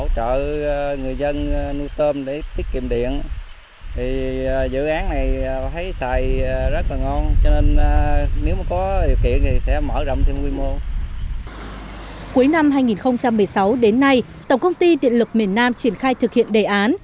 cuối năm hai nghìn một mươi sáu đến nay tổng công ty điện lực miền nam triển khai thực hiện đề án